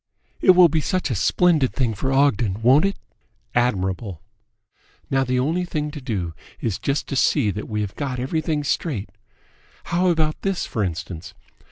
"It will be such a splendid thing for Ogden, won't it?" "Admirable." "Now the only thing to do is just to see that we have got everything straight. How about this, for instance?